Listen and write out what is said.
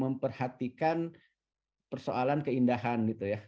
memperhatikan persoalan keindahan gitu ya